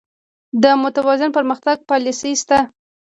د متوازن پرمختګ پالیسي شته؟